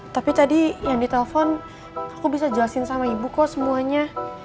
tapi tadi yang ditelepon aku bisa jelasin sama ibu kok semuanya